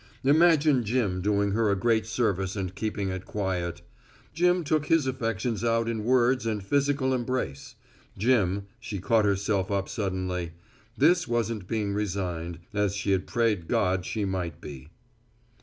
Imagine Jim doing her a great service and keeping it quiet. Jim took his affections out in words and physical embrace. Jim she caught herself up suddenly. This wasn't being resigned, as she had prayed God she might be.